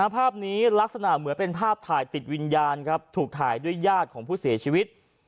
ภาพนี้ลักษณะเหมือนเป็นภาพถ่ายติดวิญญาณครับถูกถ่ายด้วยญาติของผู้เสียชีวิต